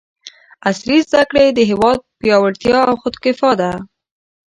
عصري زده کړې د هېواد پیاوړتیا او خودکفاء ده!